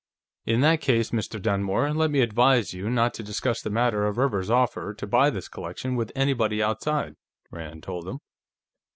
"In that case, Mr. Dunmore, let me advise you not to discuss the matter of Rivers's offer to buy this collection with anybody outside," Rand told him.